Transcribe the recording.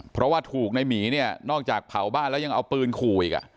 เพราะว่าถูกในหมีเนี่ยนอกจากเผาบ้านแล้วยังเอาปืนขู่อีก